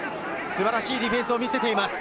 素晴らしいディフェンスを見せています。